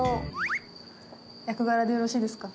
役柄でよろしいですか？